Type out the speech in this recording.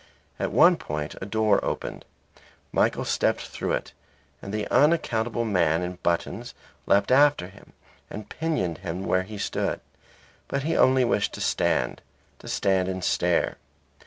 At one point a door opened. Michael stepped through it, and the unaccountable man in buttons leapt after him and pinioned him where he stood. But he only wished to stand; to stand and stare.